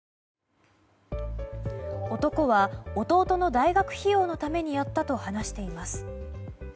男は弟の大学費用のためにやったと話しています。